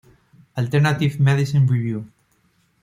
Alternative Medicine Review.